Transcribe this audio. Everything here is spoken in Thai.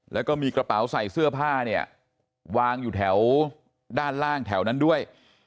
แล้วก็มีกระเป๋าใส่เสื้อผ้าเนี่ยวางอยู่แถวด้านล่างแถวนั้นด้วย